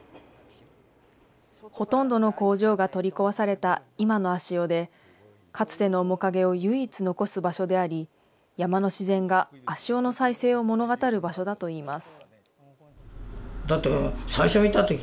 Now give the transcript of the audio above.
ほとんどの工場が取り壊された今の足尾で、かつての面影を唯一残す場所であり、山の自然が足尾の再生を物語る場所だといいます。